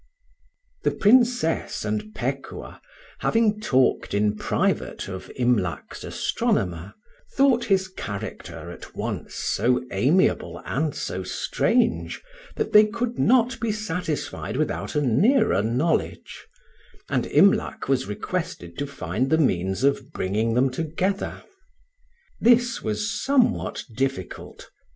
THE Princess and Pekuah, having talked in private of Imlac's astronomer, thought his character at once so amiable and so strange that they could not be satisfied without a nearer knowledge, and Imlac was requested to find the means of bringing them together. This was somewhat difficult.